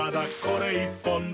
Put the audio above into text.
これ１本で」